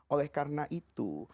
oleh karena itu